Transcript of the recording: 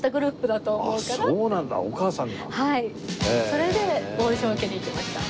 それでオーディションを受けに行きました。